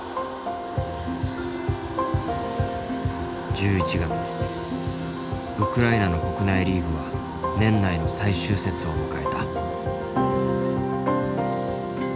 １１月ウクライナの国内リーグは年内の最終節を迎えた。